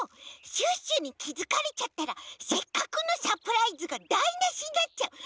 シュッシュにきづかれちゃったらせっかくのサプライズがだいなしになっちゃう！